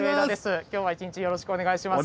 今日は一日よろしくお願いします。